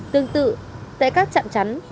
tương tự tại các trạm chắn